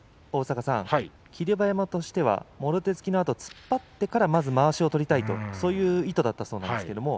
霧馬山としてはもろ手突きのあと、突っ張ってからまずまわしを取りたいとそういう意図だったそうです。